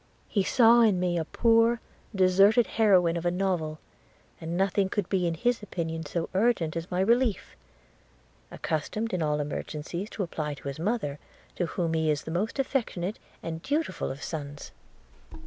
He saw in me a poor, deserted heroine of a novel, and nothing could be in his opinion so urgent as my relief. – Accustomed in all emergencies to apply to his mother, to whom he is the most affectionate and dutiful of sons